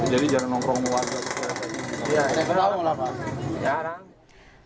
jadi jarang nongkrong keluarga